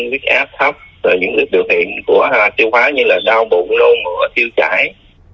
viết áp thấp rồi những biểu hiện của tiêu khóa như là đau bụng nô mỡ tiêu chảy